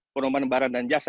pedoman barang dan jasa